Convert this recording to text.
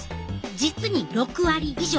実に６割以上！